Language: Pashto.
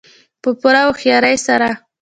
په پوره هوښیارۍ سره.